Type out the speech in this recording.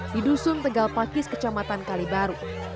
di dusun tegal pakis kecamatan kalibaru